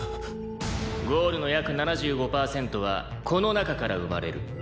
「ゴールの約７５パーセントはこの中から生まれる」